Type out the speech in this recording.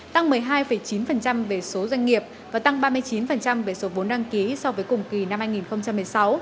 tăng một mươi hai chín về số doanh nghiệp và tăng ba mươi chín về số vốn đăng ký so với cùng kỳ năm hai nghìn một mươi sáu